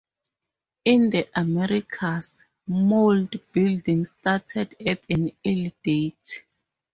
In the Americas, mound building started at an early date.